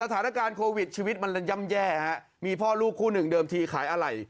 สถานการณ์โควิดชีวิตมันย่ำแย่ฮะมีพ่อลูกคู่หนึ่งเดิมทีขายอะไร